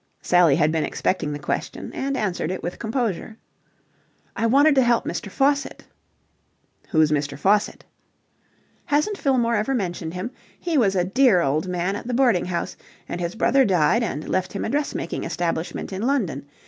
Sally had been expecting the question, and answered it with composure. "I wanted to help Mr. Faucitt." "Who's Mr. Faucitt?" "Hasn't Fillmore ever mentioned him? He was a dear old man at the boarding house, and his brother died and left him a dressmaking establishment in London.